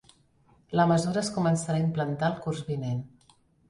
La mesura es començarà a implantar el curs vinent